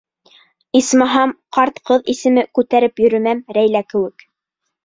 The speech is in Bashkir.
Исмаһам, ҡарт ҡыҙ исеме күтәреп йөрөмәм Рәйлә кеүек.